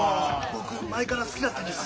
僕前から好きだったんです。